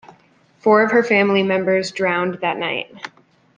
Four of her family members drowned that night.